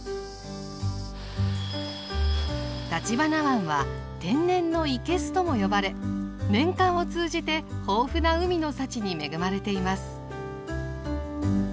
橘湾は「天然のいけす」とも呼ばれ年間を通じて豊富な海の幸に恵まれています。